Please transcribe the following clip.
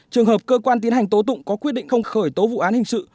trường hợp cơ quan tiến hành tố tụng có quyết định không khởi tố vụ án hình sự